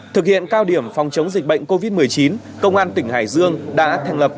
thực hiện cao điểm phòng chống dịch bệnh covid một mươi chín công an tỉnh hải dương đã thành lập